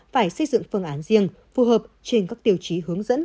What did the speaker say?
phải xây dựng phương án riêng phù hợp trên các tiêu chí hướng dẫn